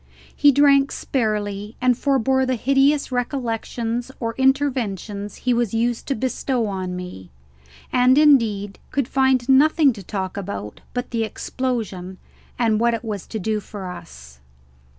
He drank sparely and forbore the hideous recollections or inventions he was used to bestow on me, and indeed could find nothing to talk about but the explosion and what it was to do for us.